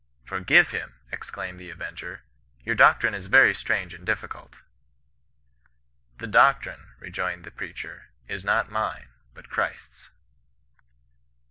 —' For give him !' exclaimed the avenger. ' Your doctrine is veiy strange and difficult.' —* The doctrine,' rejoined the preacher, ' is not mine, but Christ's.'